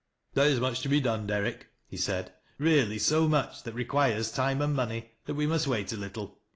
" There is much to be done. Derrick," he said ; "really 80 much that requires time and money, that we must wait a little.